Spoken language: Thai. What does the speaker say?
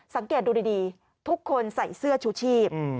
สังเกตดูดีทุกคนใส่เสื้อชูชีพ